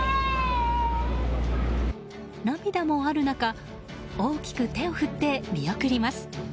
涙もある中大きく手を振って見送ります。